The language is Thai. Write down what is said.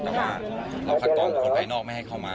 แต่ว่าเราคัดกองคนภายนอกไม่ให้เข้ามา